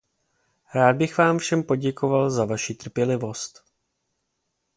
Rád bych vám všem poděkoval za vaši trpělivost.